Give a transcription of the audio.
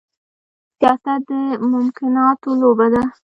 سياست د ممکناتو لوبه ده.